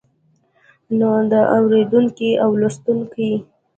نو د اوريدونکي او لوستونکي